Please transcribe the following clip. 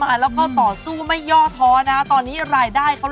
ไอล์โหลดแล้วคุณผู้ชมค่ะมีแต่ทำให้เรามีรอยยิ้ม